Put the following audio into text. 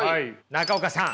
中岡さん。